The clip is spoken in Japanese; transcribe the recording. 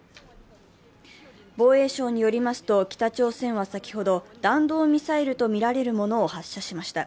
防衛省によりますと、北朝鮮は先ほど弾道ミサイルとみられるものを発射しました。